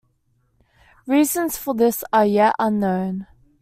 Reasons for this are yet unknown.